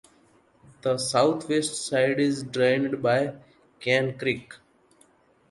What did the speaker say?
The southwest side is drained by Cane Creek.